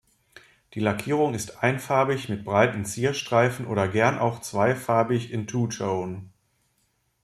Die Lackierung ist einfarbig mit breiten Zierstreifen oder gern auch zweifarbig in Two Tone.